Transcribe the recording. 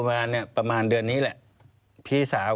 ควิทยาลัยเชียร์สวัสดีครับ